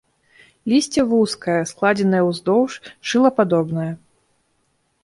Лісце вузкае, складзенае ўздоўж, шылападобнае.